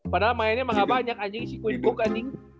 padahal mainnya emang gak banyak anjing si kuit book anjing